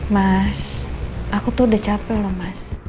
mas aku tuh udah capek loh mas